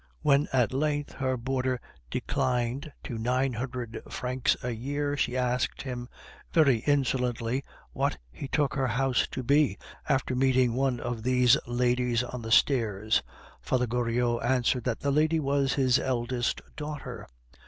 When at length her boarder declined to nine hundred francs a year, she asked him very insolently what he took her house to be, after meeting one of these ladies on the stairs. Father Goriot answered that the lady was his eldest daughter.